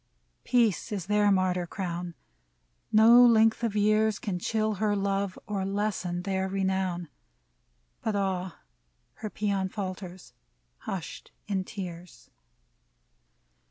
Peace is their martyr crown : No length of years Can chill her love or lessen their renown !— But ah ! her paean falters, hushed in tears.